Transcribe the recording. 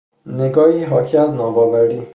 نگاهی حاکی از ناباوری